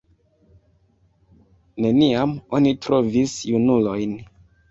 Neniam oni trovis junulojn.